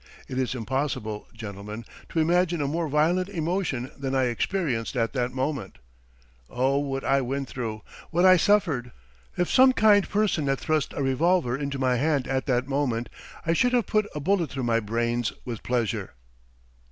It is impossible, gentlemen, to imagine a more violent emotion than I experienced at that moment. Oh, what I went through, what I suffered! If some kind person had thrust a revolver into my hand at that moment, I should have put a bullet through my brains with pleasure.